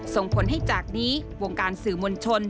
ส่งผลให้จากนี้วงการสื่อมวลชน